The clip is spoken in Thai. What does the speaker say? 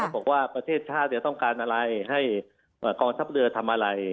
บอกว่าประเทศชาติต้องการอะไรให้กองทัพเรือทำอะไร